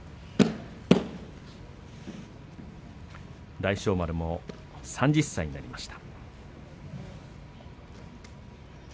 大翔丸も３０歳になりました。